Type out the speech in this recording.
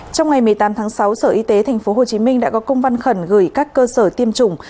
trong ngày một mươi tám tháng sáu sở y tế tp hcm đã có công văn khẩn gửi các cơ sở tiêm chủng